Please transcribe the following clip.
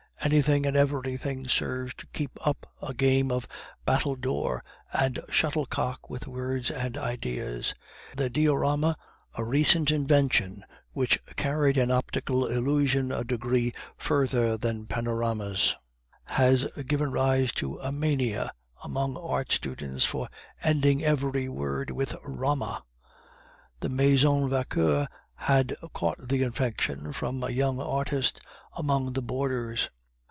Anything and everything serves to keep up a game of battledore and shuttlecock with words and ideas. The diorama, a recent invention, which carried an optical illusion a degree further than panoramas, had given rise to a mania among art students for ending every word with rama. The Maison Vauquer had caught the infection from a young artist among the boarders.